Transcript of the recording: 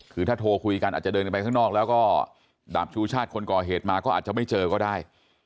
คือถ้าโทรคุยกันอาจจะเดินกันไปข้างนอกแล้วก็ดาบชูชาติคนก่อเหตุมาก็อาจจะไม่เจอก็ได้